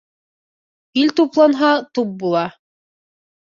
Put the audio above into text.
Ил тупланһа туп була